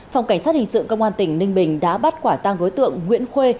phòng cảnh sát hình sự công an tỉnh ninh bình đã bắt quả tăng đối tượng nguyễn khuê